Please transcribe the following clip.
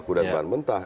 baku dan bahan mentah